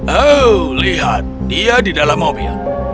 oh lihat dia di dalam mobil